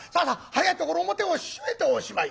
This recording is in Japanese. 早いところ表を閉めておしまい」。